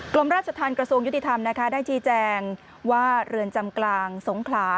กรมราชธรรมกระทรวงยุติธรรมนะคะได้ชี้แจงว่าเรือนจำกลางสงขลา